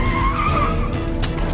lu udah nabrak gue